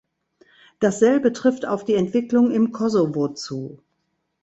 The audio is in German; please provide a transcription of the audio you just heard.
Dasselbe trifft auf die Entwicklung im Kosovo zu.